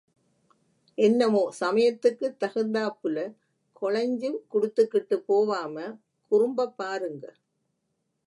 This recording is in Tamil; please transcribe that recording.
என்னமோ சமயத்துக்குத் தகுந்தாப்புலே, கொழைஞ்சு குடுத்துக்கிட்டுப் போவாமே, குறும்பப் பாருங்க!